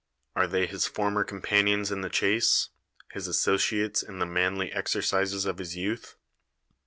Are they his former companions in the chase, his a.ssociates in the manly exercises of his youth